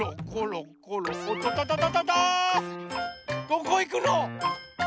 どこいくの？